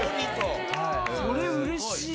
それうれしい。